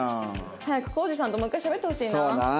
早くコージさんともう一回しゃべってほしいな。